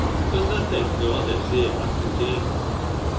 Does tha think aw this liere happent i' England